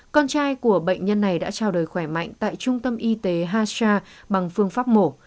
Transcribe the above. con trai của bệnh nhân này đã trao đời khỏe mạnh tại trung tâm y tế hashra bằng phương pháp mổ